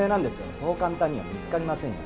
そう簡単には見つかりませんよ